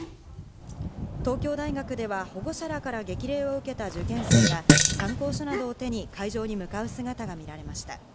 東京大学では保護者らから激励を受けた受験生が、参考書などを手に会場に向かう姿が見られました。